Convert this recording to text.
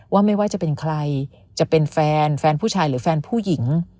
ไม่ว่าจะเป็นใครจะเป็นแฟนแฟนผู้ชายหรือแฟนผู้หญิง